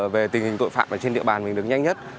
về tình hình tội phạm ở trên địa bàn mình được nhanh nhất